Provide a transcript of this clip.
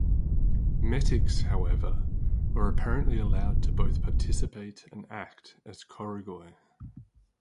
Metics, however, were apparently allowed to both participate and act as "choregoi".